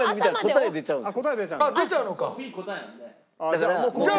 あっ出ちゃうのか。